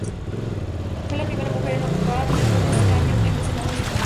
Fue la primera mujer en ocupar un escaño en el Senado de su país.